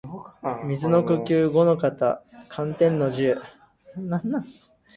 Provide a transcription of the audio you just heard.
水の呼吸伍ノ型干天の慈雨（ごのかたかんてんのじう）